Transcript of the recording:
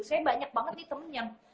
saya banyak banget nih temen yang